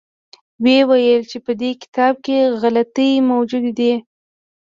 ویې ویل چې په دې کتاب کې غلطۍ موجودې دي.